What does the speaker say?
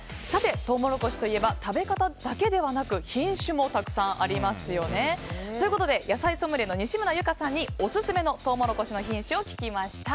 トウモロコシといえば食べ方だけではなく品種もたくさんありますよね。ということで野菜ソムリエの西村有加さんにオススメのトウモロコシの品種を聞きました。